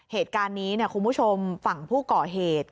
เหตุการณ์นี้คุณผู้ชมฝั่งผู้ก่อเหตุ